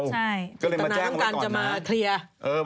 เจ็บตะนะต้องการจะมาเคลียร์